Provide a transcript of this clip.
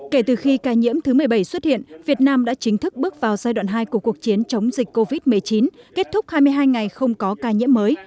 kể từ khi ca nhiễm thứ một mươi bảy xuất hiện việt nam đã chính thức bước vào giai đoạn hai của cuộc chiến chống dịch covid một mươi chín kết thúc hai mươi hai ngày không có ca nhiễm mới